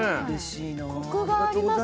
コクがあります。